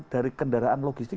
dari kendaraan logistik